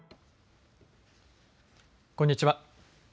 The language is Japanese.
こんにちは。